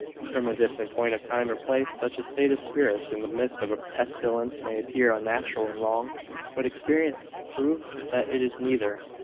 From a distant point of time or place, such a state of spirits in the midst of a pestilence may appear unnatural and wrong; but experience proves that it is neither.